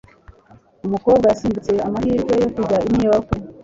Umukobwa yasimbutse amahirwe yo kujya i New York.